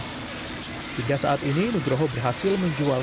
hingga saat ini nugroho berhasil menjual